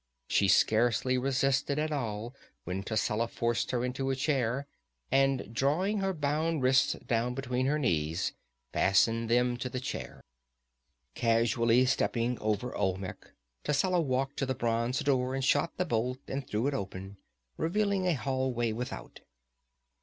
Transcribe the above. She scarcely resisted at all when Tascela forced her into a chair and drawing her bound wrists down between her knees, fastened them to the chair. Casually stepping over Olmec, Tascela walked to the bronze door and shot the bolt and threw it open, revealing a hallway without.